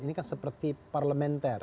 ini kan seperti parlementer